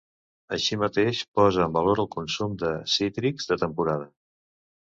Així mateix, posa en valor el consum de cítrics de temporada.